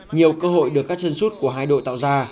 nhiều cơ hội được các chân sút của hai đội tạo ra